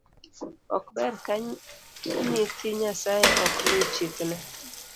Ok ber ka nyithii nyasae ok lu chikne.